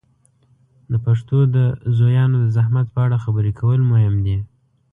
د پښتو د زویانو د زحمت په اړه خبرې کول مهم دي.